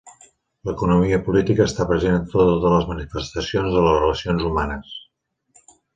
L'economia política està present en totes les manifestacions de les relacions humanes.